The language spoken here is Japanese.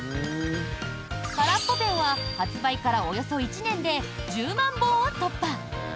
からっぽペンは発売からおよそ１年で１０万本を突破！